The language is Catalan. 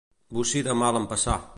Bocí de mal empassar.